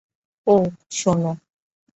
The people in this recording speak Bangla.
ওহ, শোনো।